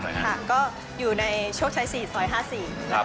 ก็อยู่ชกชายสีสอย๕๔